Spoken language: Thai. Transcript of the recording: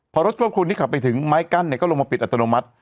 พอรถควบคุมที่ขับไปถึงไม้กั้นก็ลงมาปิดอัตโนมัติ